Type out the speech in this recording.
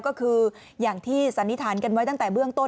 ก็คืออย่างที่สันนิษฐานกันไว้ตั้งแต่เบื้องต้น